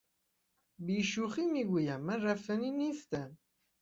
بی شوخی میگویم من رفتنی نیستم.